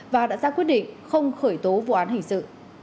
và đã ra quyết định không khởi tố vụ án hình sự